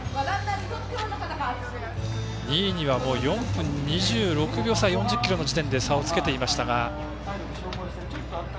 ２位には４分２６秒差４０ｋｍの時点で差をつけていましたが。